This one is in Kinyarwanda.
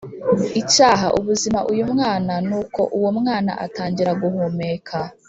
Icyaha ubuzima uyu mwana Nuko uwo mwana atangira guhumeka